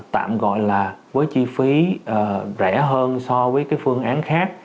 tạm gọi là với chi phí rẻ hơn so với cái phương án khác